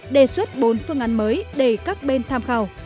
đề xuất bốn phương án mới để các bên tham khảo